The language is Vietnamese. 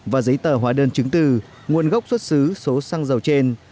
và giấy tờ hóa đơn chứng từ nguồn gốc xuất xứ số xăng dầu trên